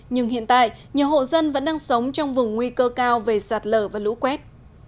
nhưng hiện tại nhiều hộ dân vẫn đang sống trong vùng nguy cơ cao về sạt lở và lũ quét